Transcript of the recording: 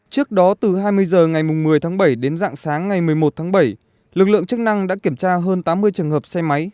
trước đó từ hai mươi h ngày một mươi tháng bảy đến dạng sáng ngày một mươi một tháng bảy lực lượng chức năng đã kiểm tra hơn tám mươi trường hợp xe máy